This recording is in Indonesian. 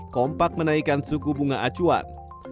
kompak menaikkan suku bunga acuan